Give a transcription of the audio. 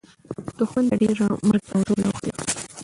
دښمن ته ډېره مرګ او ژوبله اوښتې وه.